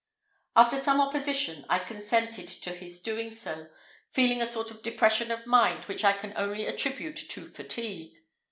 After some opposition, I consented to his doing so, feeling a sort of depression of mind which I can only attribute to fatigue.